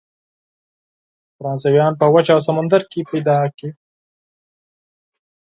فرانسویان په وچه او سمندر کې پیدا کړي.